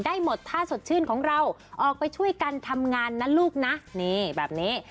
ได้หมดท่าสดชื่นของเราออกไปช่วยกันทำงานนะลูกนะนี่แบบนี้